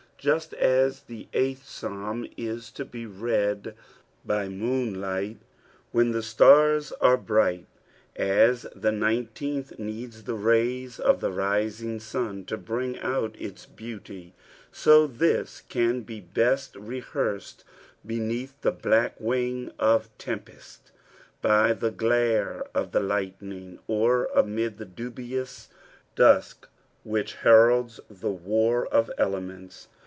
Jaat aa the Hghm Psalm is lobt read by moonlight, when ihe stars are bright, as the nmetetnih needs Ihe raya cf the rising sun to bring out Us btavly, eo Ibis can be best re hearsed beneath ihe btadc wing of tempest, by the glare of the tigUmng, or amid ihai dtiiiioas dusk rchich heralds Ihe oar of ttemenls.